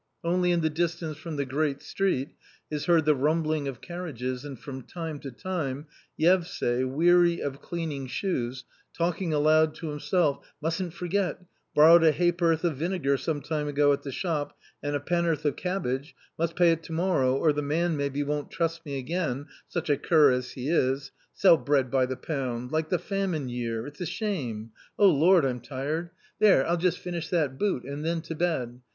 Only in the distance' from the great street is heard the rumbling of carriages, and from time to time Yevsay, weary of cleaning shoes, talking aloud to him self: " mus'n't forget ; borrowed a ha'porth of vinegar some time ago at the shop and a penn'orth of cabbage, must pay it to morrow, or the man, maybe, won't trust me again— such a cur as he is 1 Sell bread by the pound — like the famine year — it's a shame ! Oh, Lord, I'm tired ! There, I'll just 1 t «•><..« A COMMON STORY 99 finish that boot — and then to bed.